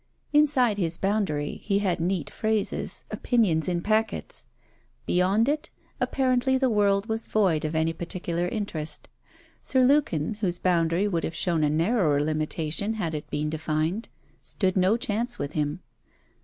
Inside his boundary, he had neat phrases, opinions in packets. Beyond it, apparently the world was void of any particular interest. Sir Lukin, whose boundary would have shown a narrower limitation had it been defined, stood no chance with him.